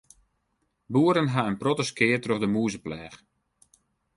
Boeren ha in protte skea troch de mûzepleach.